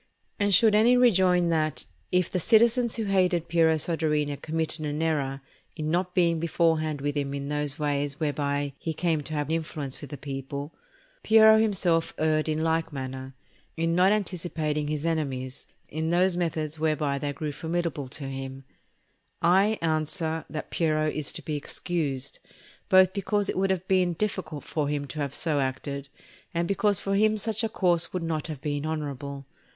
And should any rejoin that, if the citizens who hated Piero Soderini committed an error in not being beforehand with him in those ways whereby he came to have influence with the people, Piero himself erred in like manner, in not anticipating his enemies in those methods whereby they grew formidable to him; I answer that Piero is to be excused, both because it would have been difficult for him to have so acted, and because for him such a course would not have been honourable.